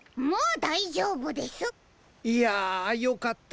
いやよかった。